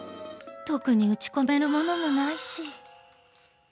特に打ち込めるものもないし。